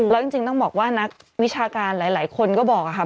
แล้วจริงต้องบอกว่านักวิชาการหลายคนก็บอกค่ะ